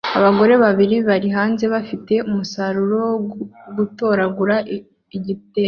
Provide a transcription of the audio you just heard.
Abagore babiri bari hanze bafite umusaruro wo gutoragura igitebo